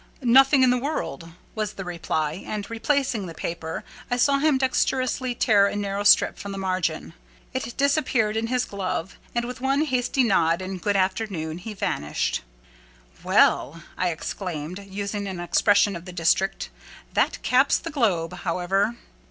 "Nothing in the world," was the reply; and, replacing the paper, I saw him dexterously tear a narrow slip from the margin. It disappeared in his glove; and, with one hasty nod and "good afternoon," he vanished. "Well!" I exclaimed, using an expression of the district, "that caps the globe, however!"